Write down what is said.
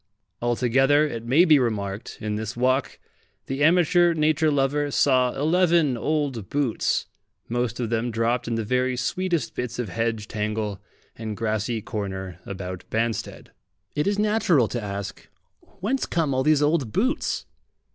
Altogether, it may be remarked, in this walk the amateur nature lover saw eleven old boots, most of them dropped in the very sweetest bits of hedge tangle and grassy corner about Banstead. It is natural to ask, "Whence come all these old boots?"